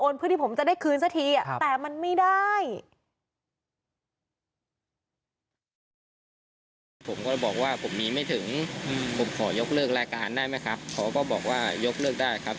รายการได้ไหมครับเขาก็บอกว่ายกเลือกได้ครับ